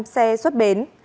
xe xuất bến